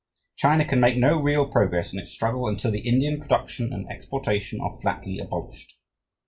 China can make no real progress in its struggle until the Indian production and exportation are flatly abolished.